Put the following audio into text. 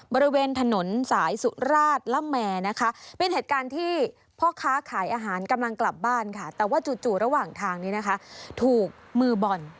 บริเวณถนนสายสุราชละแมนะคะเป็นเหตุการณ์ที่พ่อค้าขายอาหารกำลังกลับบ้านค่ะแต่ว่าจู่ระหว่างทางนี้นะคะถูกมือบ่อน